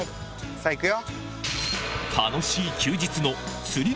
さぁ行くよ。